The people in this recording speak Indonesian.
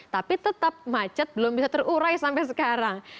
tapi tetap macet belum bisa terurai sampai sekarang